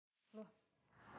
apa yang namanya ketiga kali tiara